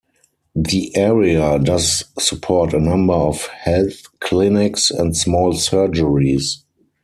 The area does support a number of health clinics and small surgeries.